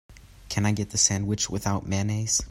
Can I get the sandwich without mayonnaise?